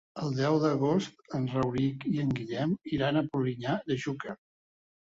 El deu d'agost en Rauric i en Guillem iran a Polinyà de Xúquer.